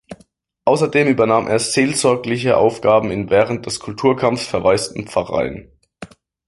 Außerdem übernahm er seelsorgliche Aufgaben in während des Kulturkampfs verwaisten Pfarreien.